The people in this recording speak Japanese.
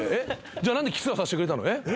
じゃあ何でキスはさせてくれたの？え！？